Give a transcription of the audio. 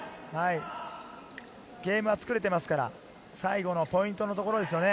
ゲームは作れていますから最後のポイントのところですね。